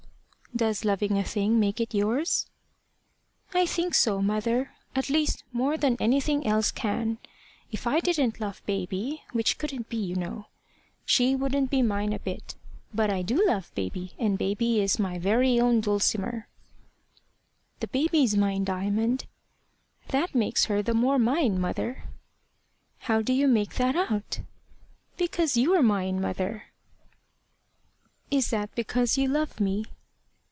"Does loving a thing make it yours?" "I think so, mother at least more than anything else can. If I didn't love baby (which couldn't be, you know) she wouldn't be mine a bit. But I do love baby, and baby is my very own Dulcimer." "The baby's mine, Diamond." "That makes her the more mine, mother." "How do you make that out?" "Because you're mine, mother." "Is that because you love me?"